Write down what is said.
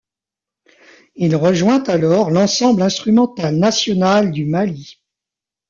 Il rejoint alors l’Ensemble instrumental national du Mali.